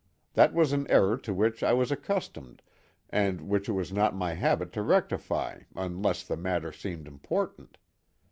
That was an error to which I was accustomed and which it was not my habit to rectify unless the matter seemed important.